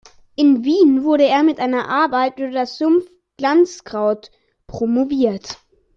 In Wien wurde er mit einer Arbeit über das Sumpf-Glanzkraut promoviert.